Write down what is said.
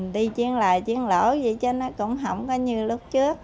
đi chiến lời chiến lỗi vậy chứ nó cũng không có như lúc trước